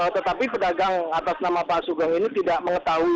tetapi pedagang atas nama pak sugeng ini tidak mengetahui